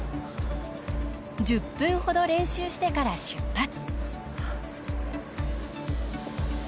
１０分ほど練習してから出発。